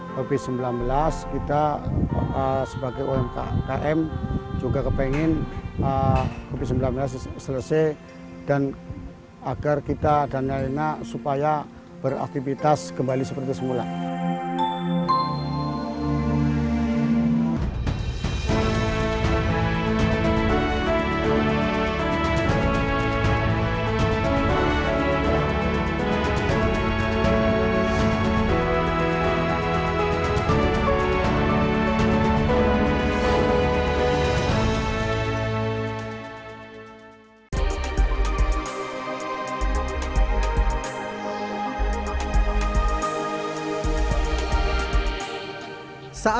tapi sembilan belas kita sebagai umkm juga kepengen covid sembilan belas selesai dan agar kita dan lain lainnya supaya beraktivitas kembali seperti semula